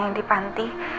yang di panti